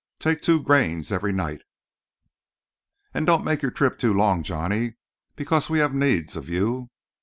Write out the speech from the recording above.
"Take two grains every night. And don't make your trip too long, Johnny, because we haf needs of you.